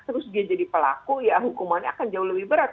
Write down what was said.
terus dia jadi pelaku ya hukumannya akan jauh lebih berat